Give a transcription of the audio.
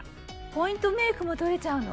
ポイントメイクも取れちゃうの？